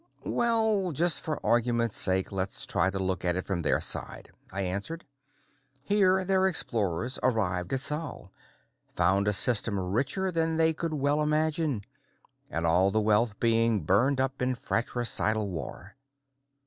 "Well, just for argument's sake, let's try to look at it from their side," I answered. "Here their explorers arrived at Sol, found a system richer than they could well imagine and all the wealth being burned up in fratricidal war.